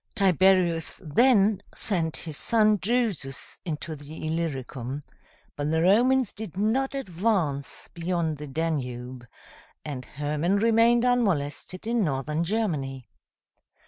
Tiberius then sent his son Drusus into the Illyricum; but the Romans did not advance beyond the Danube, and Hermann remained unmolested in Northern Germany.